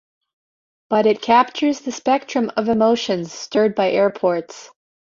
But it captures the spectrum of emotions stirred by airports.